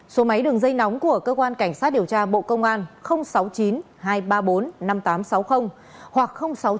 số máy đường dây nóng của cơ quan cảnh sát điều tra bộ công an sáu mươi chín hai trăm ba mươi bốn năm nghìn tám trăm sáu mươi hoặc sáu mươi chín hai trăm ba mươi một một nghìn sáu trăm